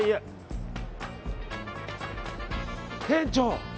店長！